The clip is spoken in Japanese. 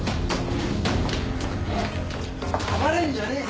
暴れるんじゃねえ。